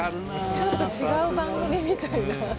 ちょっと違う番組みたいな。